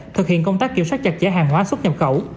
thực hiện công tác kiểm soát chặt chẽ hàng hóa xuất nhập khẩu